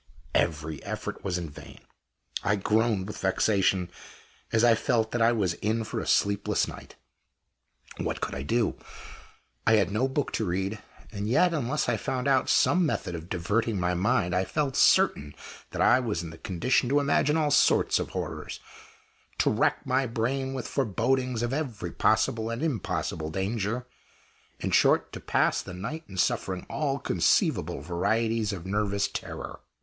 Every effort was in vain; I groaned with vexation as I felt that I was in for a sleepless night. What could I do? I had no book to read. And yet, unless I found out some method of diverting my mind, I felt certain that I was in the condition to imagine all sorts of horrors; to rack my brain with forebodings of every possible and impossible danger; in short, to pass the night in suffering all conceivable varieties of nervous terror.